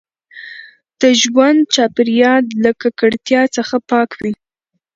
د ژوند چاپیریال له ککړتیا څخه پاک وي.